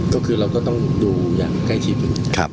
ก็คือเราก็ต้องดูอย่างใกล้ชิดอยู่นะครับ